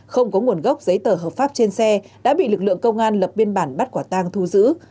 không có nguồn gốc giấy tờ hợp pháp trên xe đã bị lực lượng công an lập biên bản bắt quả tang thu giữ